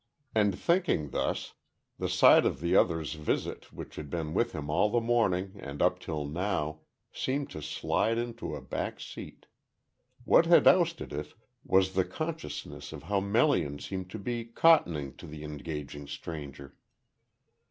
And thinking thus, the side of the other's visit which had been with him all the morning and up till now, seemed to slide into a back seat. What had ousted it was the consciousness of how Melian seemed to be "cottoning" to the engaging stranger.